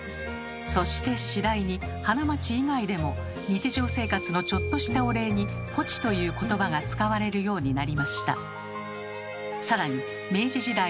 そして次第に花街以外でも日常生活のちょっとしたお礼に「ぽち」という言葉が使われるようになりました。